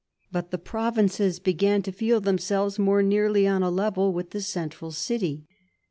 But the provinces began to feel themselves more nearly on a level with the central city.